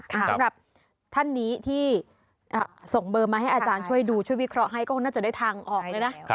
สำหรับท่านนี้ที่ส่งเบอร์มาให้อาจารย์ช่วยดูช่วยวิเคราะห์ให้ก็น่าจะได้ทางออกเลยนะ